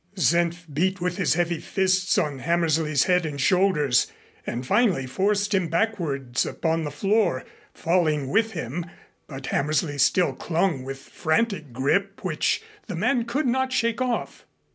Senf beat with his heavy fists on Hammersley's head and shoulders, and finally forced him backwards upon the floor, falling with him, but Hammersley still clung with frantic grip which the man could not shake off.